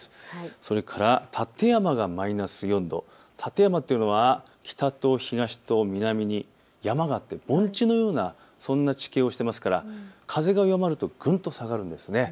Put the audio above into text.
それから館山がマイナス４度、館山というのは北と東と南に山があって盆地のようなそんな地形をしていますから風が弱まるとぐんと下がるんです。